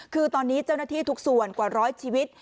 คือตอนนี้เจ้าหน้าที่ทุกส่วนกว่าร้อยชีวิต